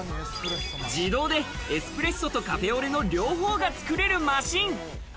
自動でエスプレッソとカフェオレの両方がつくれるマシーン。